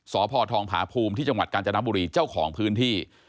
สพทองผาภูมิที่จังหวัดกาญจนบุรีเจ้าของพื้นที่